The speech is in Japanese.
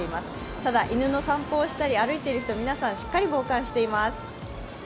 ただ、犬の散歩をしたり、歩いている人は皆さん、しっかり防寒しています。